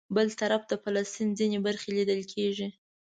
بل طرف د فلسطین ځینې برخې لیدل کېږي.